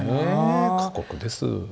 ねえ過酷です。